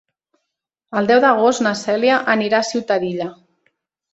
El deu d'agost na Cèlia anirà a Ciutadilla.